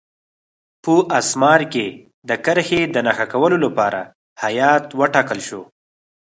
په اسمار کې د کرښې د نښه کولو لپاره هیات وټاکل شو.